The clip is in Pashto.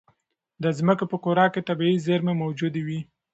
د ځمکې په کوره کې طبیعي زېرمې موجودې وي.